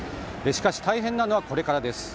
しかし大変なのはこれからです。